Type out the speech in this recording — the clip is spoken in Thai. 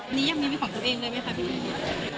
นี่ยังมีของตัวเองได้ไหมครับ